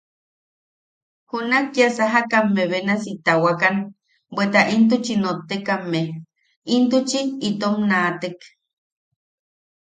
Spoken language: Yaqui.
Junak kia sajakame benasi tawakan, bweta intuchi nottekame, intuchi itom naatek.